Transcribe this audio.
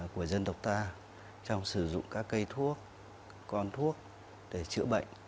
của dân tộc ta trong sử dụng các cây thuốc con thuốc để chữa bệnh